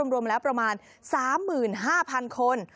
รวมแล้วประมาณ๓๕๐๐๐คน